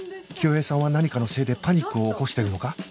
清江さんは何かのせいでパニックを起こしてるのか？